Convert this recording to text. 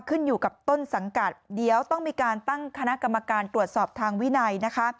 ขึ้นอยู่กับต้นสังกัดเดี๋ยวต้องมีการตั้งคณะกรรมการตรวจสอบทางวินัยนะคะ